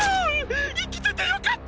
生きててよかった！